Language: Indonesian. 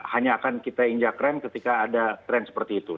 hanya akan kita injak rem ketika ada tren seperti itu